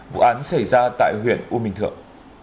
vụ án xảy ra tại huyện u minh thượng